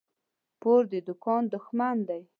پور د دوکان دښمن دى.